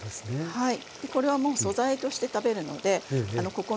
はい。